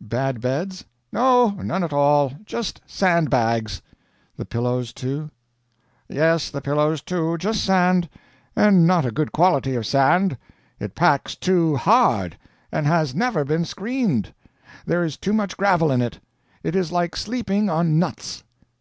"Bad beds?" "No none at all. Just sand bags." "The pillows, too?" "Yes, the pillows, too. Just sand. And not a good quality of sand. It packs too hard, and has never been screened. There is too much gravel in it. It is like sleeping on nuts."